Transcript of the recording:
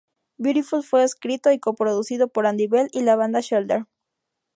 Beautiful fue coescrito y coproducido por Andy Bell y la banda Shelter.